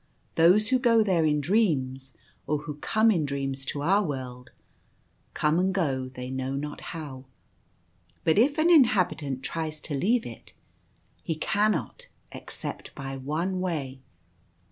Those who go there in dreams, or who come in dreams to our world, come and go they know not how; but if an inhabitant tries to leave it, he cannot except by one way.